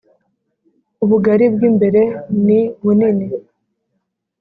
Ubugari bw imbere ni bunini